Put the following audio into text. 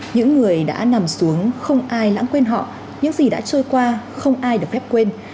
những người đã nằm xuống không ai lãng quên họ những gì đã trôi qua không ai được phép quên